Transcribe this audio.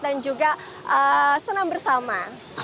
dan juga senang bersama